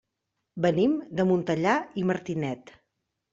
Venim de Montellà i Martinet.